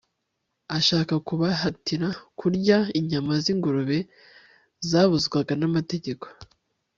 ashaka kubahatira kurya inyama z'ingurube zabuzwaga n'amategeko